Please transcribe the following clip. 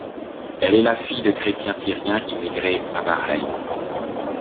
Elle est la fille de chrétiens syriens immigrés à Bahreïn.